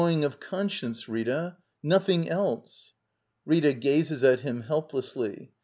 g^^ con science, Rita. Nothing else. Rita. [Gazes at him helplessly.